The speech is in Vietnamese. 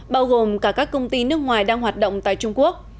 bao gồm cả các công ty nước ngoài đang hoạt động tại trung quốc